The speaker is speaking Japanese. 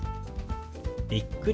「びっくり」。